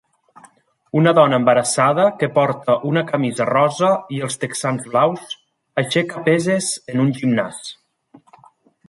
Una dona embarassada que porta una camisa Rosa i els texans blaus aixeca peses en un gimnàs.